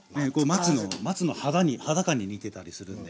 松の肌感に似てたりするんで。